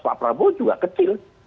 pak prabowo juga kecil